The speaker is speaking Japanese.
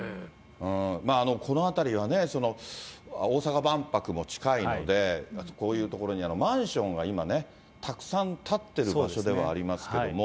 この辺りはね、大阪万博も近いので、こういう所にマンションが今ね、たくさん建ってる場所ではありますけども。